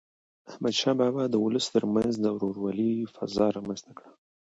احمدشاه بابا د ولس تر منځ د ورورولی فضا رامنځته کړه.